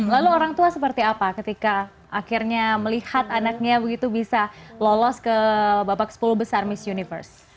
lalu orang tua seperti apa ketika akhirnya melihat anaknya begitu bisa lolos ke babak sepuluh besar miss universe